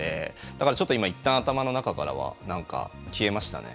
だから、ちょっと今いったん頭の中からはなんか、消えましたね。